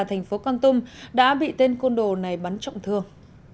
thành phố con tum đã bị tên côn đồ này bắn trọng thương